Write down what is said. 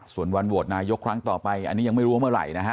ส่วนวันโหวตนายกครั้งต่อไปอันนี้ยังไม่รู้ว่าเมื่อไหร่นะฮะ